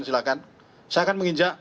silakan saya akan menginjak